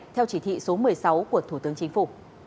theo chỉ thị số một mươi sáu của thủ tướng chính phủ